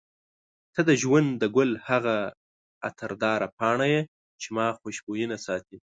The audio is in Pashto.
ته د ژوند د ګل هغه عطرداره پاڼه یې چې ما خوشبوینه ساتي.